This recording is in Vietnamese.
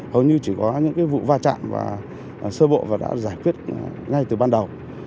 hầu như chỉ có những vụ va chạm và sơ bộ và đã giải quyết ngay từ ban đầu